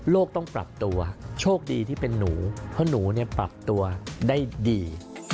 ต้องปรับตัวโชคดีที่เป็นหนูเพราะหนูปรับตัวได้ดี